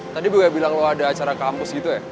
tadi gue bilang loh ada acara kampus gitu ya